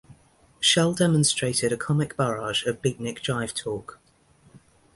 Schell demonstrated a comic barrage of beatnik jive talk.